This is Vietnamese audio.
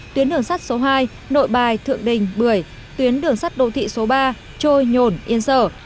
tuyến đường sắt số hai nội bài thượng đình bưởi tuyến đường sắt đô thị số ba trôi nhổn yên sở